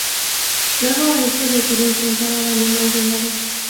Luego este decide enfrentar al animal vengador.